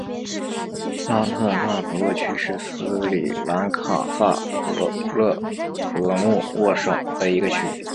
拉特纳普勒区是斯里兰卡萨伯勒格穆沃省的一个区。